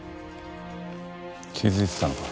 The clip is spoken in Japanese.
気づいてたのか。